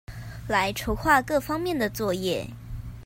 來籌畫各方面的作業